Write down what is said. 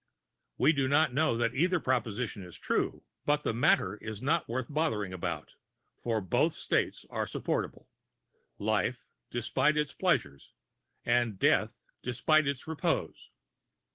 We do not know that either proposition is true, but the matter is not worth bothering about, for both states are supportable life despite its pleasures and death despite its repose.